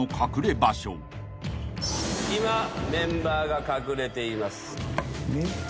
今メンバーが隠れています。